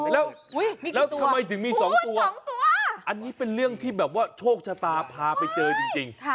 แล้วทำไมถึงมี๒ตัวอันนี้เป็นเรื่องที่แบบว่าโชคชะตาพาไปเจอจริง